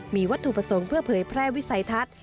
มีวัตถุประสงค์เพื่อเผยแพร่วิสัยทัศน์